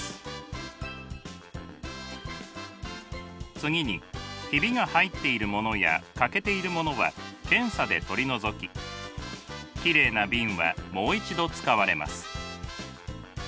次にひびが入っているものや欠けているものは検査で取り除ききれいな瓶はもう一度使われます。